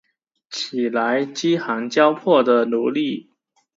起来，饥寒交迫的奴隶！